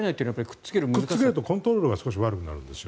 くっつけるとコントロールが悪くなるんです。